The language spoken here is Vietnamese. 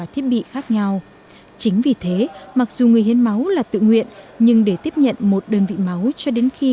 truyền máu là biện pháp điều trị